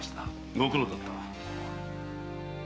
ご苦労であった。